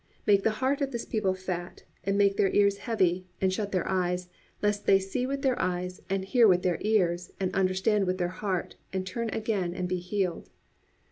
Make the heart of this people fat, and make their ears heavy, and shut their eyes; lest they see with their eyes, and hear with their ears, and understand with their heart, and turn again, and be healed."